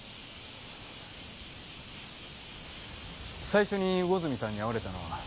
最初に魚住さんに会われたのは。